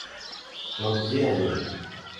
Но где они?